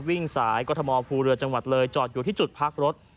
วิ่งสายกรทมภูเรือจังหวัดเลยจอดอยู่ที่จุดพักรถ